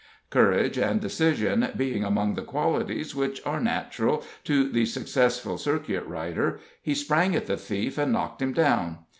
Courage and decision being among the qualities which are natural to the successful circuit rider, he sprang at the thief and knocked him down.